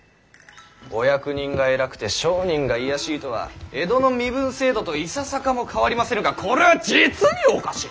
お役人が偉くて商人が卑しいとは江戸の身分制度といささかも変わりませぬがこれは実におかしい。